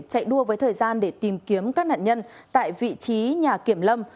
chạy đua với thời gian để tìm kiếm các nạn nhân tại vị trí nhà kiểm lâm